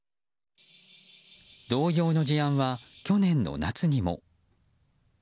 同様の事案は去年の夏にも。